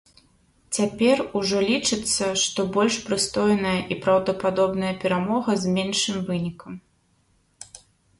Цяпер ужо лічыцца, што больш прыстойная і праўдападобная перамога з меншым вынікам.